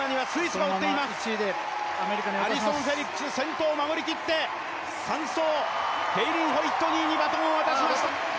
アリソン・フェリックス先頭を守り切って３走、ケイリン・ホイットニーにバトンを渡しました。